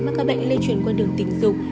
bao bệnh lê truyền qua đường tình dục